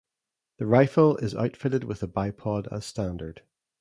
The rifle is outfitted with a bipod as standard.